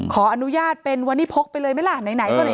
ขออนุญาตเป็นวันนี้พกไปเลยไหมล่ะ